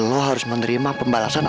lo harus menerima pembalasan